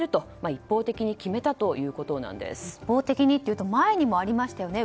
一方的にというと前にもありましたよね。